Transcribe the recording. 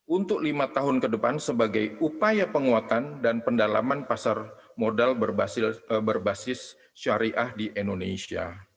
untuk lima tahun ke depan sebagai upaya penguatan dan pendalaman pasar modal berbasis syariah di indonesia